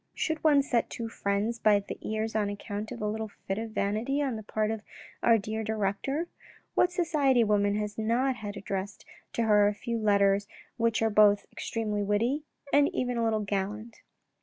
" Should one set two friends by the ears on account of a little fit of vanity on the part of our dear director ? What society woman has not had addressed to her a few letters which were both extremely witty and even a little gallant